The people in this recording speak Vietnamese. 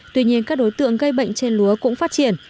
tuy nhiên các đối tượng gây bệnh trên lúa cũng phát triển